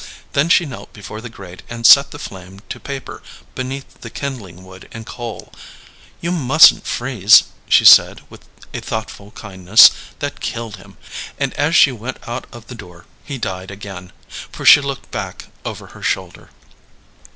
Then she knelt before the grate and set the flame to paper beneath the kindling wood and coal. "You mustn't freeze," she said, with a thoughtful kindness that killed him; and as she went out of the room he died again; for she looked back over her shoulder.